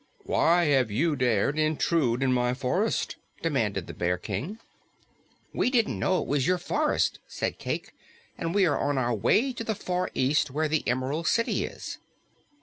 "Why have you dared intrude in my forest?" demanded the Bear King. "We didn't know it was your forest," said Cayke, "and we are on our way to the far east, where the Emerald City is."